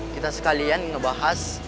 kita sekalian ngebahas